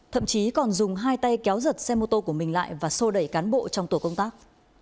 thậm chí còn dùng hai tay kéo giật xe mô tô của mình lại và sô đẩy cán bộ trong tổ công tác